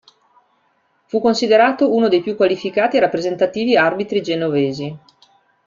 Fu considerato uno dei più qualificati e rappresentativi arbitri genovesi.